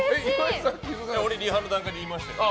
俺、リハの段階で言いましたよ。